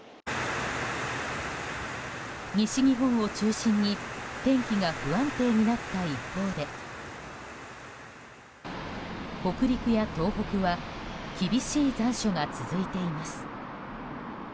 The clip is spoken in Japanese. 西日本を中心に天気が不安定になった一方で北陸や東北は厳しい残暑が続いています。